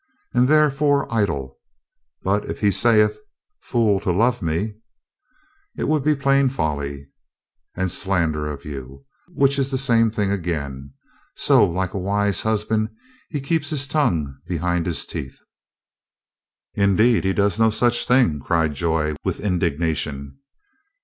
"And therefore idle. But if he saith, 'Fool to love me—' " "It would be plain folly." "And slander of you. Which is the same thing again. So like a wise husband, he keeps h's tongue behind his teeth." "Indeed, he does no such thing!" cried Joy with indignation.